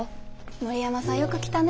森山さんよく来たね。